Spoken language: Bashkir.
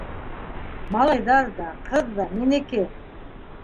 Малайҙар ҙа, ҡыҙ ҙа - минеке.